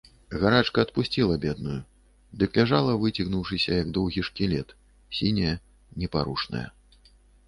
Гарачка адпусціла бедную, дык ляжала выцягнуўшыся, як доўгі шкілет, сіняя, непарушная.